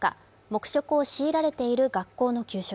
黙食を強いられている学校の給食。